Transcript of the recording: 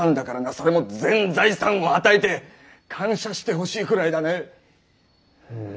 それも全財産をはたいてッ！感謝してほしいくらいだねッ。